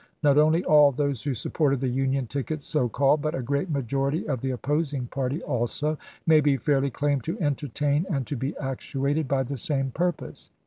Not only all those who supported the Union ticket so called, but a great majority of the opposing party also, may be fairly claimed to entertain and to be actuated by the same purpose.